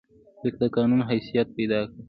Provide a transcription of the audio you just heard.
لیک د قانون حیثیت پیدا کړ.